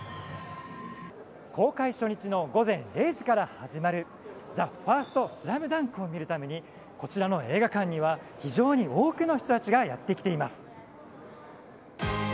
公開初日の午前０時から始まる「ＴＨＥＦＩＲＳＴＳＬＡＭＤＵＮＫ」を見るためこちらの映画館には非常に多くの人たちがやってきています。